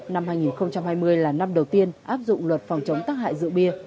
năm hai nghìn hai mươi là năm đầu tiên áp dụng luật phòng chống tác hại rượu bia